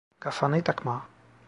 Kafanı takma.